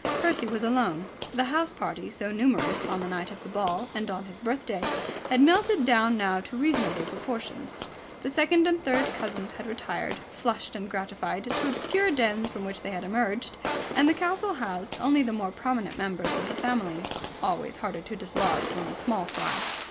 Percy was alone. The house party, so numerous on the night of the ball and on his birthday, had melted down now to reasonable proportions. The second and third cousins had retired, flushed and gratified, to obscure dens from which they had emerged, and the castle housed only the more prominent members of the family, always harder to dislodge than the small fry.